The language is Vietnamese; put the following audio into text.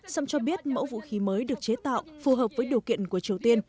song cho biết mẫu vũ khí mới được chế tạo phù hợp với điều kiện của triều tiên